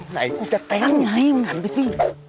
ไหนกูจะเต้นไงมึงหันไปสิ